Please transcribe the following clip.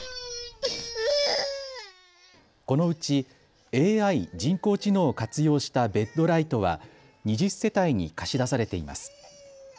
このうちＡＩ・人工知能を活用したベッドライトは２０世帯に貸し出されています。